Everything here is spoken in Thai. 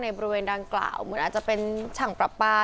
บริเวณดังกล่าวเหมือนอาจจะเป็นช่างปรับปลา